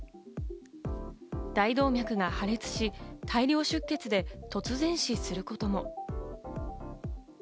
大動脈が破裂し、大量出血で突然死することも。